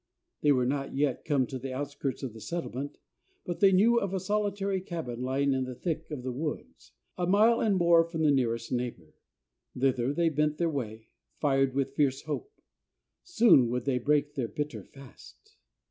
They were not yet come to the outskirts of the settlement, but they knew of a solitary cabin lying in the thick of the woods a mile and more from the nearest neighbor. Thither they bent their way, fired with fierce hope. Soon would they break their bitter fast.